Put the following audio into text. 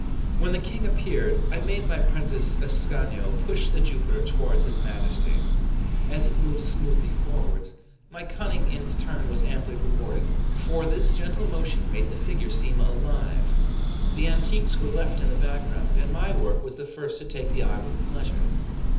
When the King appeared, I made my prentice Ascanio push the Jupiter toward his Majesty. As it moved smoothly forwards, my cunning in its turn was amply rewarded, for this gentle motion made the figure seem alive; the antiques were left in the background, and my work was the first to take the eye with pleasure.